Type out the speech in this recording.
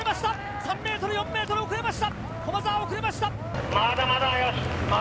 ３ｍ、４ｍ、遅れました。